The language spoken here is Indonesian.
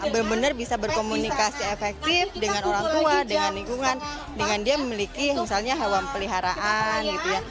benar benar bisa berkomunikasi efektif dengan orang tua dengan lingkungan dengan dia memiliki misalnya hewan peliharaan gitu ya